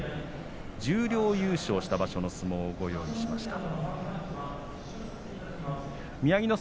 十両優勝した場所の相撲をご用意しました。